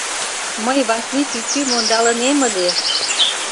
Мый Васли чӱчӱм ондалынем ыле!